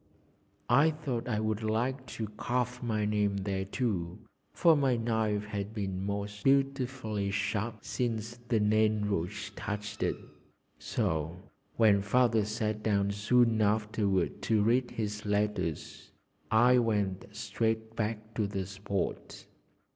I thought I would like to carve my name there too, for my knife had been most beautifully sharp since the Nain Rouge touched it, so when Father sat down soon afterward to read his letters, I went straight back to the spot.